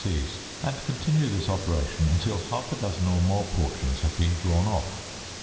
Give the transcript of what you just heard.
and continue this operation until half a dozen or more portions have been drawn off.